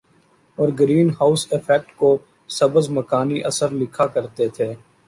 اور greenhouse effect کو سبز مکانی اثر لکھا کرتے تھے